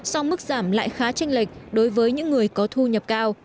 sau mức giảm lại khá tranh lệch đối với những người có thu nhập